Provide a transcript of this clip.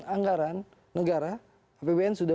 anggaran negara hpbn sudah